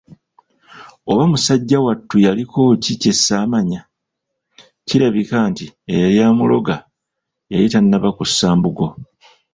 Oba musajja wattu yaliko ki kyessamanya, kirabika nti eyali amuloga yali tannaba kussa mbugo,